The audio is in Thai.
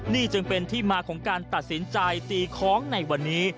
นี่จึงเป็นที่มาของการตัดสินใจตีคล้องในวันนี้